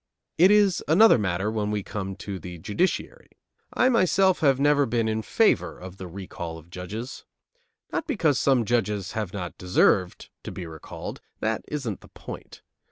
It is another matter when we come to the judiciary. I myself have never been in favor of the recall of judges. Not because some judges have not deserved to be recalled. That isn't the point.